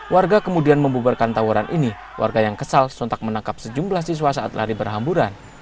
warga kemudian membubarkan tawuran ini warga yang kesal sontak menangkap sejumlah siswa saat lari berhamburan